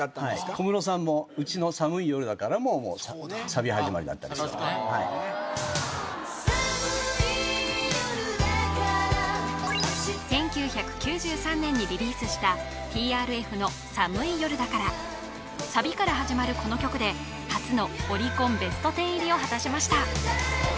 小室さんもうちの寒い夜だから１９９３年にリリースしたＴＲＦの「寒い夜だから」サビから始まるこの曲で初のオリコンベスト１０入りを果たしました